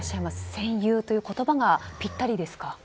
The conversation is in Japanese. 戦友という言葉がぴったりですか。